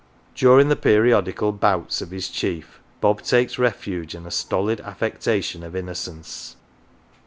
During the periodical "bouts' of his chief, Bob takes refuge in a stolid affectation of innocence.